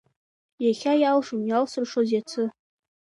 Иахьа иалшом иалсыршоз Иацы.